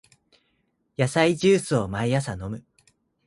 野菜ジュースを毎朝飲む